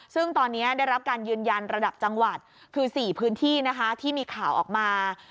ซึ่งตอนนี้ได้รับการยืนยันระดับจังหวัดคือ๔พื้นที่นะคะที่มีข่าวออกมา